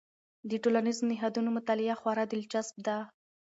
د ټولنیزو نهادونو مطالعه خورا دلچسپ ده.